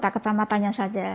kota kecamatannya saja